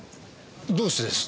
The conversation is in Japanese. どうしてです？